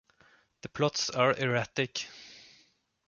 The plots are erratic.